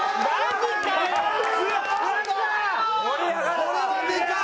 これはでかい！